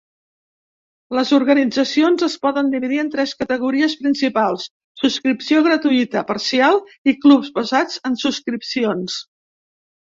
Les organitzacions es poden dividir en tres categories principals: subscripció gratuïta, parcial i clubs basats en subscripcions.